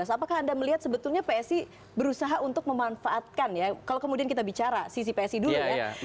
apakah anda melihat sebetulnya psi berusaha untuk memanfaatkan ya kalau kemudian kita bicara sisi psi dulu ya